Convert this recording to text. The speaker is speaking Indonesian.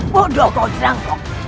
bodoh kau jerangkuk